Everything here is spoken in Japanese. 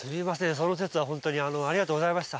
その節は本当にありがとうございました。